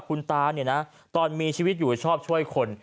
คุณตาเนี่ยนะตอนมีชีวิตอยู่ชอบช่วยคน